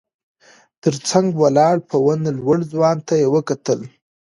تر څنګ ولاړ په ونه لوړ ځوان ته يې وکتل.